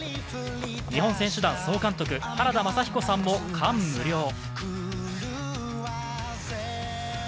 日本選手団総監督・原田雅彦さんも感無量。